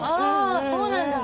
ああそうなんだ。